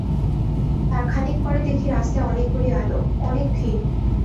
তার খানিক পরে দেখি রাস্তায় অনেকগুলি আলো, অনেক ভিড়।